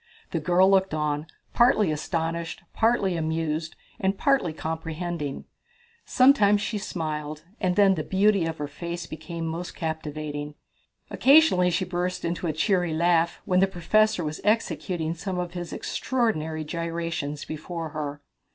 The girl looked on, partly astonished, partly amused, and partly comprehending. Sometimes she smiled, and then the beauty of her face became most captivating. Occasionally she burst into a cheery laugh when the professor was executing some of his extraordinary gyrations before her.